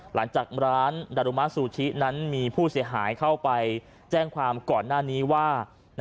หลังจากร้านดารุมะซูชินั้นมีผู้เสียหายเข้าไปแจ้งความก่อนหน้านี้ว่า